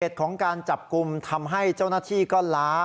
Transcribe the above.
ของการจับกลุ่มทำให้เจ้าหน้าที่ก็ล้า